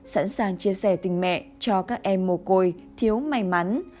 sẵn sàng chia sẻ tình mẹ cho các em mồ côi thiếu may mắn